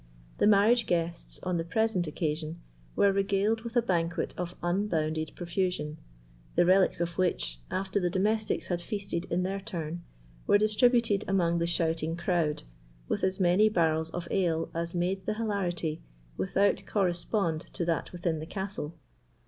The marriage guests, on the present occasion, were regaled with a banquet of unbounded profusion, the relics of which, after the domestics had feasted in their turn, were distributed among the shouting crowd, with as many barrels of ale as made the hilarity without correspond to that within the castle.